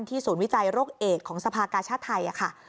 ศูนย์วิจัยโรคเอกของสภากาชาติไทยค่ะ